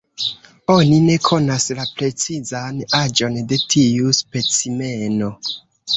Oni ne konas la precizan aĝon de tiu specimeno.